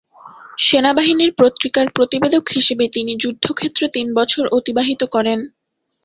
সেনাবাহিনীর পত্রিকার প্রতিবেদক হিসেবে তিনি যুদ্ধক্ষেত্রে তিন বছর অতিবাহিত করেন।